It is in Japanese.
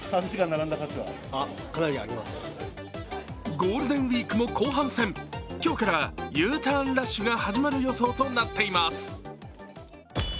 ゴールデンウイークも後半戦今日からＵターンラッシュが始まる予想となっています。